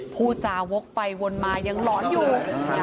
พูดจาวกไปวนมายังหลอนอยู่